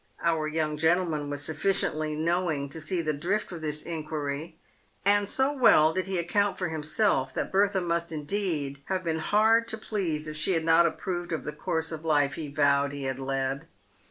Our young gentleman was sufficiently know ing to see the drift of this inquiry ; and so well did he account for himself, that Bertha must, indeed, have been hard to please if she had not approved of the course of life he vowed he had led.